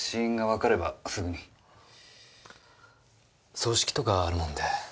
葬式とかあるもんで。